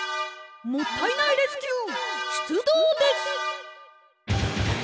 もったいないレスキューしゅつどうです！